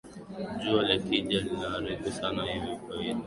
Jua likija linaharibu sana hivyo faida yake ni ndogo